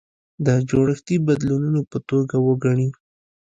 د جوړښتي بدلون په توګه وګڼي.